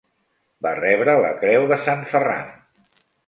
Va rebre la creu de Sant Ferran.